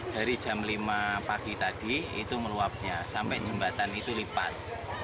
dari jam lima pagi tadi itu meluapnya sampai jembatan itu lipas